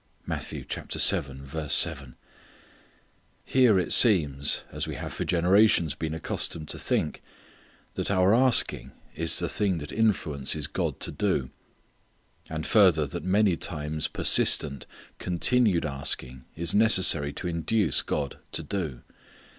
" Here it seems, as we have for generations been accustomed to think, that our asking is the thing that influences God to do. And further, that many times persistent, continued asking is necessary to induce God to do.